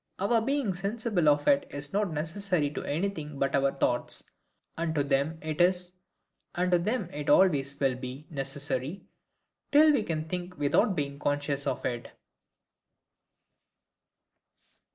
Our being sensible of it is not necessary to anything but to our thoughts; and to them it is; and to them it always will be necessary, till we can think without being conscious of it.